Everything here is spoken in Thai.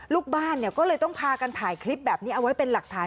ลูกบ้านก็เลยต้องพากันถ่ายคลิปแบบนี้เอาไว้เป็นหลักฐาน